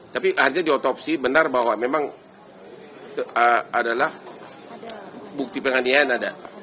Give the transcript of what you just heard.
tapi akhirnya diotopsi benar bahwa memang adalah bukti penganiayaan ada